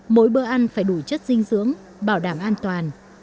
mỗi bữa ăn phải đủ chất dinh dưỡng bảo đảm an toàn